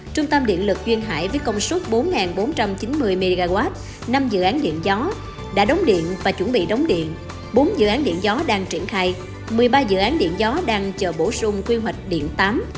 trung tâm điện lực duyên hải với công suất bốn bốn trăm chín mươi mw năm dự án điện gió đã đóng điện và chuẩn bị đóng điện bốn dự án điện gió đang triển khai một mươi ba dự án điện gió đang chờ bổ sung quy hoạch điện tám